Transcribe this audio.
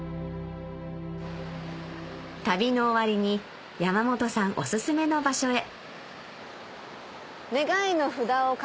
旅の終わりに山本さんお薦めの場所へうわっ。